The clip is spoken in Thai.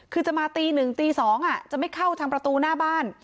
คือจะมาตีหนึ่งตีสองอ่ะจะไม่เข้าทางประตูหน้าบ้าน